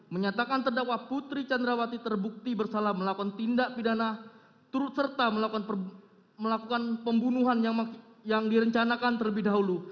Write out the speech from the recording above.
satu menyatakan terdakwa putri candrawati terbukti bersalah melakukan tindak pidana turut serta melakukan pembunuhan yang direncanakan terlebih dahulu